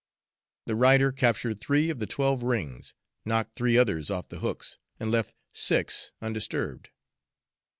The rider captured three of the twelve rings, knocked three others off the hooks, and left six undisturbed.